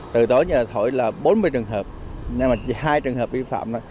từ tối nhờ thổi là bốn mươi trường hợp hai trường hợp vi phạm